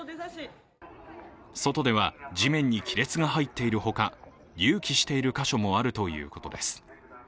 外では地面に亀裂が入っているほか、隆起している箇所もあるということです。